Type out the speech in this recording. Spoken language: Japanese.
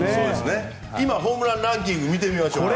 今、ホームランランキングを見ましょう。